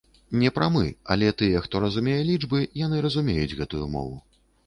Не прамы, але тыя, хто разумее лічбы, яны разумеюць гэтую мову.